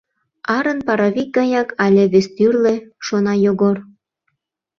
Арын паровик гаяк але вестӱрлӧ?» — шона Йогор.